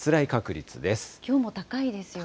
きょうも高いですよね。